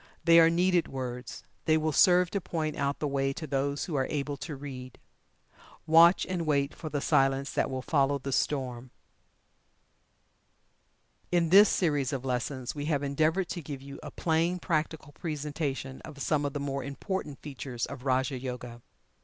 They are needed words they will serve to point out the way to those who are able to read. "Watch and wait for the Silence that will follow the Storm." In this series of lessons we have endeavored to give you a plain, practical presentation of some of the more important features of "Raja Yoga."